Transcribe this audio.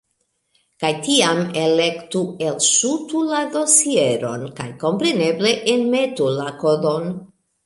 Kaj tiam, elektu "Elŝutu la dosieron", kaj kompreneble, enmetu la kodon.